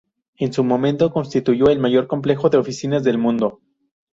En su momento constituyó el mayor complejo de oficinas del mundo.